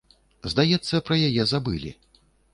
Здаецца, пра яе забылі.